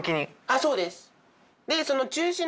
あっそうです。